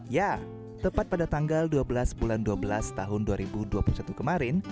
ya tepat pada tanggal dua belas bulan dua belas tahun dua ribu dua puluh satu kemarin